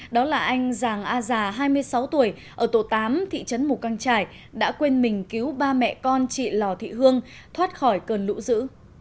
đó là anh giàng a già hai mươi sáu tuổi ở tổ tám thị trấn mù căng trải đã quên mình cứu ba mẹ con chị lò thị hương thoát khỏi cơn lũ dữ